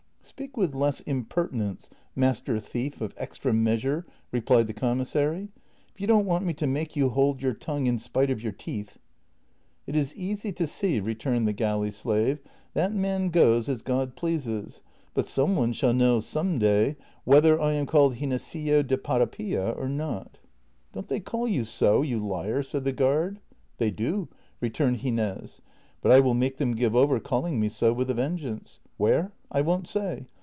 " Speak with less impertinence, master thief of extra meas ure, replied the commissary, "if you don't want me to make you hold your tongue in spite of your teeth." " It is easy to see," returned the galley slave, " that man goes as God pleases,^ l)ut some one shall know some day whether T am called Ginesillo de Parapilla or not." " Don't they call you so, you liar "•'" said the guard. " They do," returned Gines, " but I will make them give over calling me so with a vengeance ; where, I won't say.